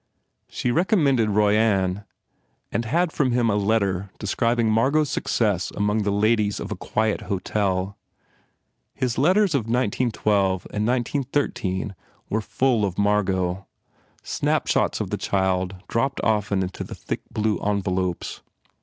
She recommended Royan and had from him a letter describing Margot s success among the ladies of a quiet hotel. His letters of 1912 and 1913 were full of Margot. Snapshots of the child dropped often from the thick blue envelopes.